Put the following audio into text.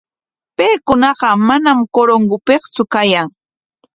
Paykunaqa manam Corongopiktsu kayan.